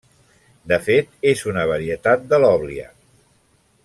De fet, és una varietat de l'oblia.